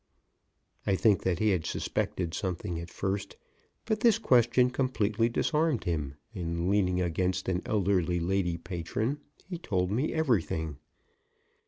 I think that he had suspected something at first, but this question completely disarmed him, and, leaning against an elderly lady patron, he told me everything.